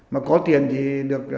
mà có tiền thì được